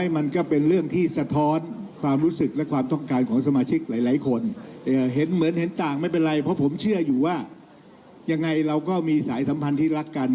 ไม่เป็นไรเพราะผมเชื่ออยู่ว่ายังไงเราก็มีสายสัมพันธ์ที่รักกัน